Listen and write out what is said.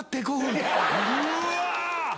うわ！